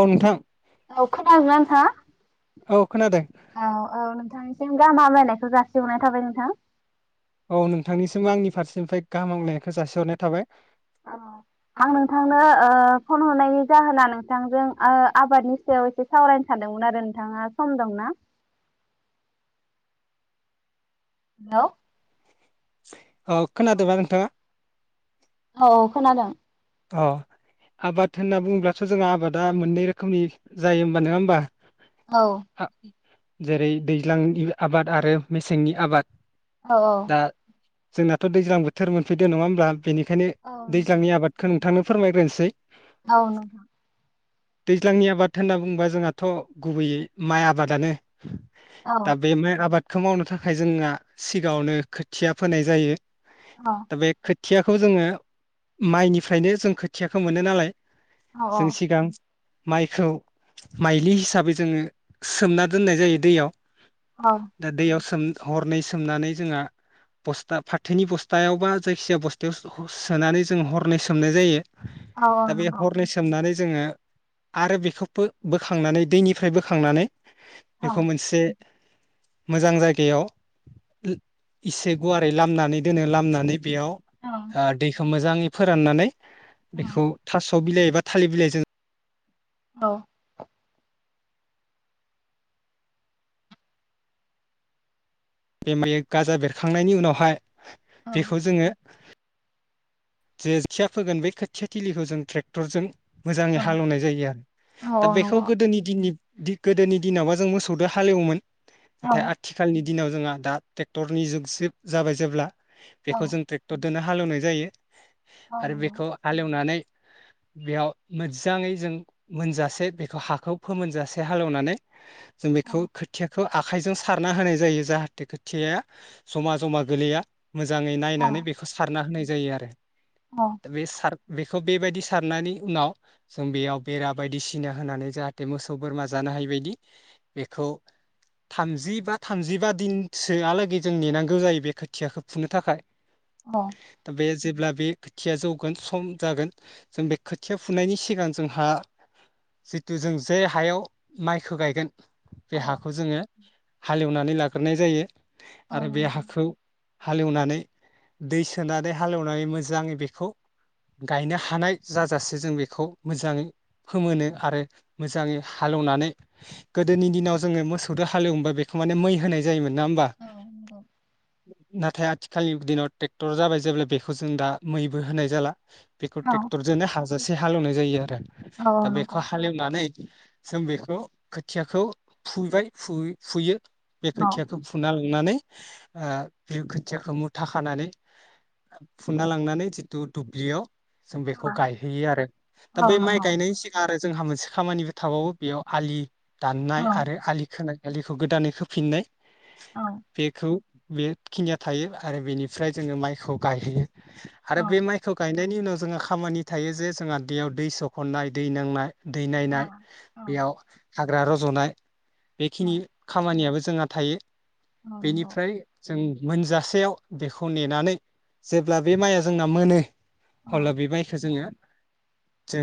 औ नोंथां औ खोनादोंना ओंथाङा? औ खोनादों औ औ नोंथां नि सिम गाहाम हामलायनायखौ जासिहरनाय थाबाय नोंथां औ नोंथांनिसिमबो आंनि फारसेनिफ्राय गाहाम हामलायनायखौ जासिहरनाय थाबाय आं नोंथांनो ओ फन हरनायनि जाहोना नोंथांजों ओ आबादनि सायाव एसे सावरायनो सानदोंमोन आरो नोंथाङा सम दंना? हेल' जे औ खोनादोंबा नोंथाङा? औ खोनादों अ आबाद होनना बुङोब्लाथ' जोंहा आबादा मोननै रोखोमनि जायो हबा नङा होमबा? औ ह जेरै दैज्लांनि आबाद आरो मेसेंनि आबाद। औ औ दा जोंनाथ दैज्लां बोथोर मोनफैदो नङा होमब्ला? बेनिखायनो औ नोंथां दैज्लांनि आबाद नोंथांनो फोरमायग्रोनोसै औ नों दैज्लांनि आबाद होनना बुंङोबा जोंहाथ गुबैयै माइ आबादानो औ दा बे माइ आबाद खौ मावनो थाखाय जोंहा सिगाङावनो खोथिया फोनाय जायो औ दा बे खोथ थियाखौ जोङो माइनि फ्रायनो जों खोथियाखौ मोनो नालाय औ जों सिगां माइखौ माइलि हिसाबै जोङो सोमना दोननाय जायो दैयाव औ दा दैयाव सोम हरनै सोमनानै जोंहा बस्था फाथोनि बस्थायाव बा जायखिजाया बस्थायाव ह सोनानै जों हरनै सो सोमनाय जायो औ दा बे नंगौ हरनै सोमनानै जोङो आरो बेखौ बो बोखांनानै दैनिफ्राय बोखांनानै औ बेखौ मोनसे मोजां जायगायाव इसे गुवारै लामनानै दोनो लामनानै बेयाव औ ओ दैखौ मोज जाङिफोर फोराननानै बेखौ थास' थाव बिलाइ एबा थालिर बिलाइजों औ बे माइ गाजा बेरखांनायनि उनावहाय औ बेखौ जोङो जे खिया फोगोन बे खोथिया थिलिखौ जों ट्रेक्टरजों मोजाङै हालेवनाय जायो आरो दा औ नंगौ बेखौ गोदोनि दिननि दि गोदोनि दिनावाबा जों मोसौजों हालेवोमोन औ नाथाय आथिखालनि दिनाव जोंहा दा ट्रेक्टरनि जुग जिब जाबाय जेब्ला औ बेखौ जों ट्रेक्टर नो हालेवनाय जायो औ आरो नंगौ बेखौ हालेवनानै बेयाव मोजाङै जों मोनजासे बेखौ हाखौ फोमोनजासे हालेवनानै जों बेखौ खोथिया आखाइजों सारना होनाय जायो जाहाथे खोथिया जमा जमा गोलैया। मोजाङै औ नायनानै बेखौ सारना होनाय जायो आरो। बे सार बेखौ बेबायदि सारनायनि उनाव जों बेयाव बेरा बायदिसिना होनानै जाहाथे मोसौ बोरमा जानो हायि बायदि बेखौ थामजि बा थामजिबा दिनसोआलागै जों नेनांगौ जायो बे खोथियाखौ फुनो थाखाय। औ दा बे जेब्ला बे खोथिया जौगोन सम जागोन जों बे खोथिया फुनायनि सिगां जोंहा जितु जों जे हायाव माइखौ गायगोन बे औ हाखौ जोङो हालेवनानै लाग्रोनाय जायो। औ आरो बे नंगौ हाखौ हालेवनानै दै सोनानै हालेवनानै मो जाङै बेखौ गायनो हानाय जाजासे जों बेखौ मोजाङै फोमोनो आरो मोजाङै हालेवनानै गोदोनि दिनाव जोङो मोसौदो हालेवोमोवबा बेखौ माने मै होनाय जायोमोन। [unintelligible] औ नंगौ। नाथाय आथिखालनि दिनाव ट्रेक्टर जाबाय जेब्ला बेखौ जों दा मैबो होनाय जाला बेखौ औ टेक्टर जोनो हाज जासे हालेवनाय जायो आरो। औ दा औ बेखौ नंगौ हालेवनानै जों बेखौ खोथियाखौ फुबाय फु-फुयो बे औ खोथियाखौ फुना नानै ओ बे खोथियाखो मुथा खानानै फुना ला थांनानै जिथु दुब्लियाव जों औ बेखौ गायहैयो आरो दा औ बै माइ नंगौ गायनायनि सिगां आरो जोंहा मोनसे खामानिबो थाबावो बेयाव आलि औ दाननाय आरो आलि खोनाय। आलिखौ गोदानै खोफिननाय। औ बेखौ बेखिनिया थायो आरो बेनिफ्राय जोङो माइखौ गायहैयो। औ आरो बे माइखौ गाय नायनि उनाव जोंहा खामानि थायो जे जोंहा दैयाव दै सख'न्नाय दै नांनाय। दै नायनाय औ बेयाव हाग्रा रज'नाय। औ बेखिनि खामानियाबो जोंहा थायो। औ नंगौ बेनिफ्राय जों मोनजासेयाव बेखौ नेनानै जेब्ला बे माइया जोंना मोनो औ हब्ला बे माइखौ जोङो जों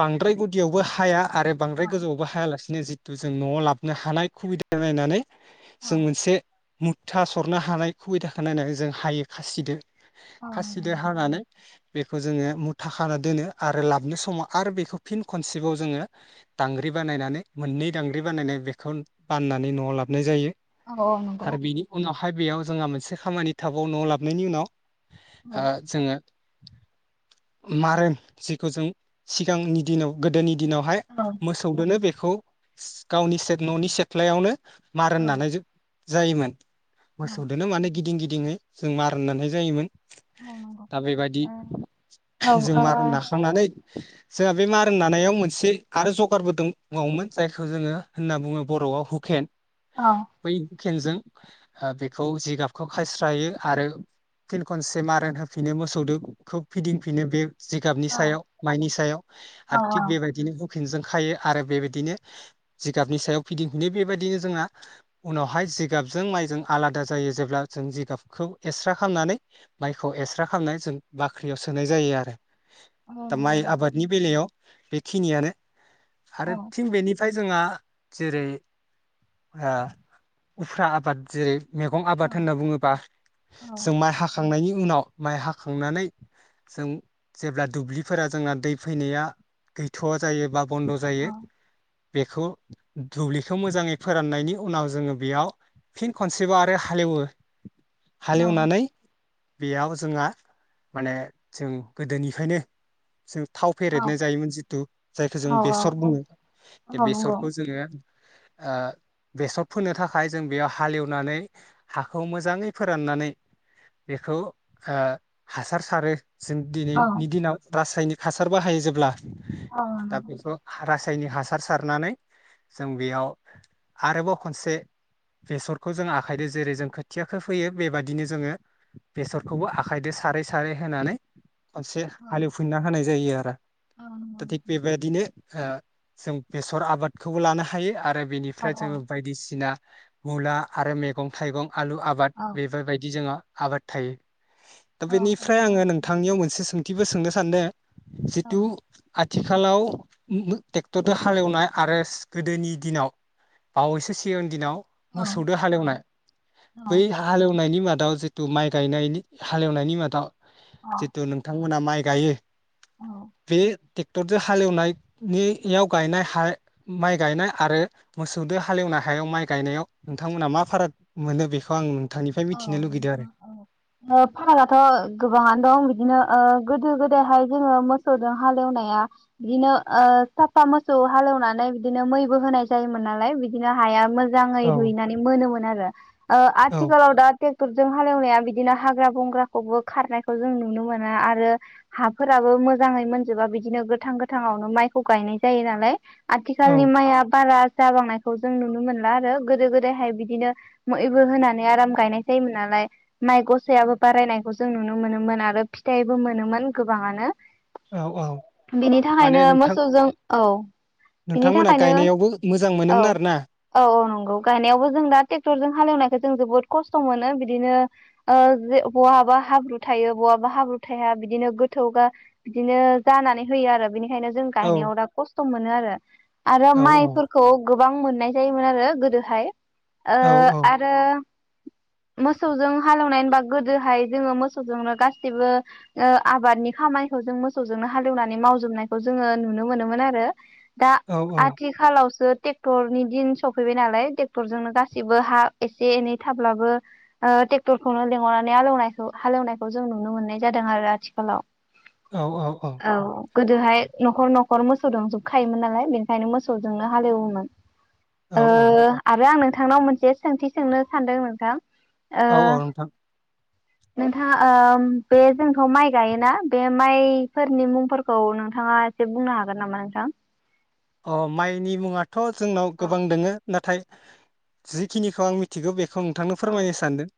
बांद्राय गुदियावबो हाया आरो औ बांद्राय गोजौवावबो हायालासिनो जि थु जों नवाव लाबोनो हानाय खुबिदा नायनानै औ जों मोनसे मुथा सरनो हानाय खुबिदाखौ नायनानै जों हायो खासिदो। औ नंगौ खासिदो नोंथां हानानै बेखौ जोङो मुथा खाना दोनो आरो लाबोनो समाव आरो बेखौ फिन खनसेबाव जोङो दांग्रि बानायनानै मोननै दांग्रि बानायनाय बेखौ बाननानै नवाव लाबोनाय जायो। औ औ नंगौ। फाय बेयाव जोंहा मोनसे खामानि थाबावो नवाव लाबनायनि उनाव औ औ ओ जोङो मारोन जिखौ जों सिगांनि दिनाव गोदोनि दिनावहाय औ औ मोसौदोनो बे खौ गावनि सेथ ननि सेथ्लायावनो मारोन नानायजो जायोमोन। औ नंगौ ओ औ मोसौदोनो माने गिदिं गि दिङै जोङो जों मारोननानै जायोमोन। ओ दा बे बादि जों औ मारोन नाखांनानै जोंहा बे मारोन नानायाव मोनसे आरो जगारबो दंबावोमोन जायखौ जोङो होनना बुङो बर'वाव हुखेन। औ खेनजों ओ बेखौ जिगाबखौ खायस्रायो आरो फिन खनसे मारोन होफिनो मोसौदो खौ फिदिंफिनो बे जिगाबनि सायाव माइनि सायाव आरो थिग औ बेबायदिनो हुखेनजों खाययो आरो बेबायदिनो जिगाबनि सायाव फिदिंफिनो बेबायदिनो जोंहा उनावहाय जिगाबजों माइजों आलादा जायो जेब्ला जों जिगाबखौ एक्स्रा खालामनानै माइखौ एक्स्रा खालामनानै जों बाख्रियाव सोनाय जायो आरो। औ दा नंगौ माइ नोंथां आबादनि बेलायाव बेखिनियानो। आरो फिन बेनिफ्राय जोंहा जेरै ओ उफ्रा आबाद जेरै मेगं औ आबाद होनना बुङोबा औ जों माइ हाखांनायनि उनाव माइ हाखांनानै जों जेब्ला दुब्लिफोरा जोंना दै फैनाया गैथ'वा जायो बा बन्द' जायो बेखौ दुब्लिखौ मोजाङै फोराननायनि उनाव जोङो बेयाव फिन खनसेबाव आरो हालेवो। हाल औ एव नानै बेयाव जोंहा माने जों गोदोनिफायनो जों थाव फेरेेदनाय जायोमोन जिथु जायखौ औ जोङो औ बेसर बुङो बे औ नंगौ बेसरखौ जोङो ओ बेसर फोनो थाखाय जों बेयाव हालेवनानै हाखौ मोजाङै फोराननानै बेखौ ओ हासार सारो। जों औ दिनैनि दिनाव रासायनिक हासार बाहायो जेब्ला औ नंगौ औ दा बेखौ हारास फिथाइनि हासार सारनानै जों बेयाव आरोबाव खनसे बेस'रखौ जों आखायदो जेरै जों खोथियाखो फैयो बेबादि बिदिनो जोङो बेसरखौबो आखायदो सारै सारै होनानै खवसे हालेवफिनना होनाय ज जायो आरो नंगौ दा थि नोंथां बेबादिनो ओ जों बेसर आबादखौबो लानो हायो आरो औ बेनिफ्राय जोङो औ बायदिसिना मुला आरो मेगं थाइगं आलु आबाद बेफोरबायदि जोंहा आबाद थायो। दा औ औ बेनिफ्राय ओ आङो नोंथांनियाव मोनसे सों सोंथिबो सोंनो सानदो औ जिथु आथ आथिखालाव [unintelligible] ट्रेक्टरदो हालेवनाय आरो गोदोनि दिनाव बावैसो सिगांनि दिनाव औ मोसौदो हालेवनाय औ बै हालेवनायनि माद दाव जिथु माइ गायनायनि हालेवनायनि मादाव अ जिथु नोंथां। बिथांमोना माइ गायो। बे ट्रेक्टरजो हालेवनायनि याव गायनाय हा माइ गायनाय आरो मोसौदो हालेवनाय हायाव माइ गायनायाव नोंथांमोना मा फाराग मोनो बेखौ आं नोंथांनिफ्राय मि औ ओ फारागथ' गोबाङानो दं बिदिनो ओ गोदो गोदायहाय जोङो मोसौ हालेवनाया बिदिनो ओ साफा मोसौ हालेवनानै बिदिनो मैबो होनाय जायोमोन नालाय बिदिनो हाया मो मोजाङै औ रुइनानै मोनोमोन आरो ओ औ आथिखालाव दा टे ट्रेक्टरजों हालेवनाया बिदिनो हाग्रा बंग्राखौबो खारनायखौ जों नुनो मोना आरो हाफोराबो मोजाङै मोनजोबा बिदिनो गोथां गोथाङावनो माइखौ गायनाय जायो नालाय औ आथिखालनि माया बारा जाबांनायखौ जों नुनो मोनला आरो गोदो गोदायहाय बिदिनो मैबो होनानै आराम गायनाय जायोमोन नालाय माइ गसायाबो बारायनायखौ जों नुनो मोनोमोन। आरो फिथाइबो मोनोमोन गोबाङानो औ औ बेनि माने थाखायनो नोंथां मोसौजों औ बिनि नोंथांमोना थाखायनो गायनायावबो मोजां औ मोनोमोन आरो ना औ औ गायनायबो जों दा ट्रेक्टरजों हालवनाय जों जोबोद खस्थ' मोनो बिदिनो ओ जे बहाबा हाब्रु थायो बहाबा हाब्रु थाया बिदिनो गोथौ बिदिनो जानानै होयो आरो बिनि बेखायनो जों औ गायनायाव दा खस्थ' मोन मोनो आरो आरो औ माइफोरखौ गो गोबां मोननाय जायोमोन आरो गोदोहाय औ ओह आ ओ मोसौजों हालेवनाय होनबा गोदोहाय जोंङो मोसौजोंनो गासिबो ओ आबादनि खामानिखौ जों मोसौजोंनो हालेवनानै मावजोबनायखौ जोंङो नुनो मोनोमोन आरो दा औ आथिखालावसो ट्रेक्टरनि दिन सफैबाय नालाय ट्रेक्टरजोंनो गासैबो हा एसे एनै थाब्लाबो ट्रेक्टरखौनो लिंहरनानै हालौवनाय हालेवनायखौ जों नुनो मोननाय जादों आरो आथिखालाव औ औ औ गोदोहाय न'खर न'खर मोसौ दंजोबखायोमोन नालाय बेनिखायनो मोसौजोंनो हाल एवोमोन। ओ औ आरो आंनो नोंथांनाव मोनसे सोंथि सोंनो सानदों नोंथां। औ औ ओ नोंथां नोंथाङा ओ बे जोंथ माइ गायोना बे माइफोरनि मुंफोरखौ नोंथाङा एसे बुंनो हागोन नामा नोंथां? अ माइनि मुङाथ' थ' जोंनाव औ गोबां दोङो नाथाय जिखिनिखौ आं मिथिगौ बेखौ बेखौ नोंथांनो औ फोरमायनो सानदों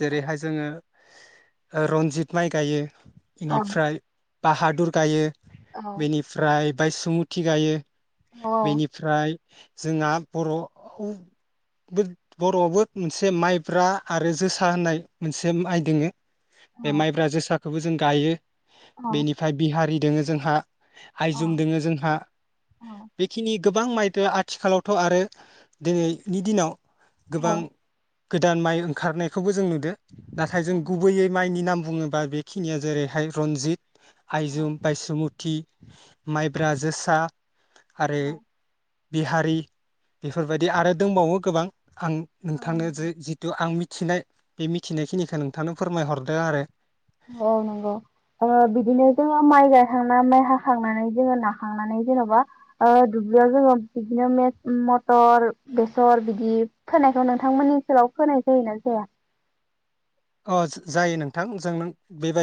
जेरैहाय जोंङो ओ रन्जित माइ गायो। औ इनिफ्राय बााहादुर गायो बेनिफ्राय बायेसमुथि गायो। औ बेनिफ्राय जोंहा बर'आवबो बर'आवबो मोनसे माइब्रा आरो जोसा होननाय मोनसे माइ दोंङो। बे औ माइब्रा जोसा खौबो जों गायो। बेनिफ्राय बिहारि दोङो जोंहा आइजुम दोङो जोंहा बेखिनि गोबां माइदो आथिखालावथ' आरो दिनैनि दिनाव औ गोबां गोदान माइ ओंखारनायखौबो जों नुदो। नाथाय जों गुबैयै माइनि नाम बुङोबा बेखिनिया जेरैहाय रनजित आयजुम, बायेसमुथ थि माइब्रा जोसा आरो बिहारि बेफोरबायदि आरो दंबावो गोबां। आं नोंथांनो जै औ जिथु आं मि मिथिनाय बे मिथिनायखिनिखौ नोंथांनो फोरमायहरदो आरो। औ नंगौ ओ बिदिनो जोङो माइ गायखांनानै हाखांनानै जोङो नाखांनानै जेन'बा दुब्लियाव जोङो बिदिनो मथर बेसर बिदि फोनायखौ नोंथांमोननि ओनसोलाव फोनाय जायोना जाया। अ जायो नोंथां जोंना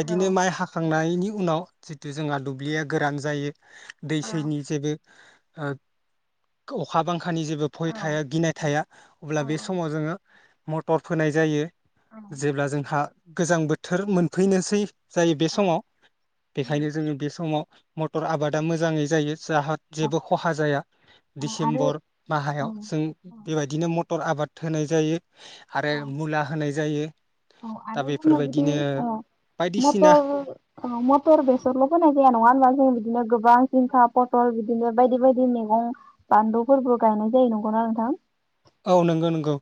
औ माइ हाखां नायनि उनाव जितु जोंहा दुब्लिया गोरान जायो दै औ सैनि जेबो ओ अखा बांखा खानि जेबो औ भय थाया गिनाय थाया अब्ला बे समाव जोङो मटर फोनाय जायो। औ जेब्ला जोंहा गोजां बोथोर मोनफैनोसै जायो बे औ समाव औ बेखायनो जोङो बे समाव मटर आबादा मोजाङै जायो जोंहा जेबो खहा जाया औ आरो डिसेम्बर औ माहायाव जों औ बेबायदिनो मटर मटर आबाद होनाय जायो। आरो औ मुला होनाय जायो। औ दा आरो जोङो जुदि बेफोरबायदिनो बायदिसिना मटर बेसरल' फोनाय जाया नङा होनबा जों बिदिनो गोबां जिंखा पटल बिदिनो बायदि बायदि मैगं बानलुबोफोरबो गायनाय जायो नंगौना नोंथां? औ नंगौ नंगौ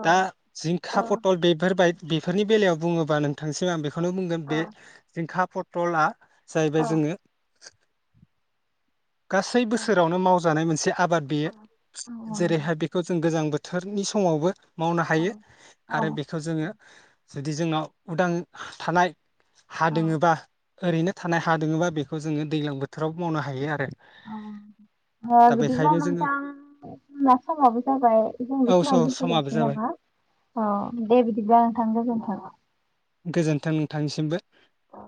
औ दा औ जिंखा पथल बेफोरबायदि बेफोरनि बेलायाव बुङोबा नोंथांसिम आं बेखौनो खौनो बुंगोन बे औ जिंखाफोर टलला जाहैबाय जोङो गासै औ बोसोरावनो मावजानाय मोनसे आबाद औ बेयो औ नंगौ जेरैहाय बेखौ जों गोजां बोथोर बोथोरनि समावबो मावनो औ हायो औ आरो बेखौ जोङो जुदि जोंनाव उदां थानाय। हा औ दोङोबा। ओरैनो थानाय हा दङोबा बेखौ जोङो दैज्लां बोथोरावबो मावनो हायो आरो। औ दा बिदिब्ला बेखायनो जोङो नोंथां जोंना समाबो जाबाय जों औ बेखिनियावनो समाबो दोनथ'जासिगोन जाबाय नामा औ दे बिदिब्ला नोंथां गोजोनथों। गोजोन्थों नोंथांनिसिमबो। औ।